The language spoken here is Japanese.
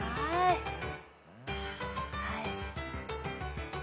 はい。